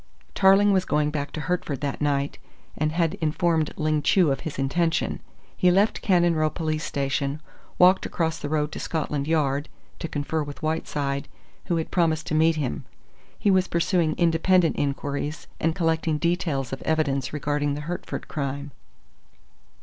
Tarling was going back to Hertford that night, and had informed Ling Chu of his intention. He left Cannon Row Police Station, walked across the road to Scotland Yard, to confer with Whiteside, who had promised to meet him. He was pursuing independent inquiries and collecting details of evidence regarding the Hertford crime.